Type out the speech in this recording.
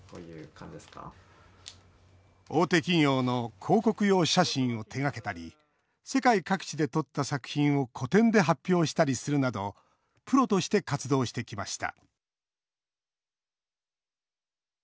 大手企業の広告用写真を手がけたり世界各地で撮った作品を個展で発表したりするなどプロとして活動してきました